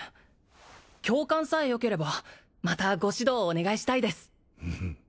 教官さえよければまたご指導をお願いしたいです